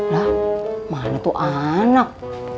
nah mana tuh anak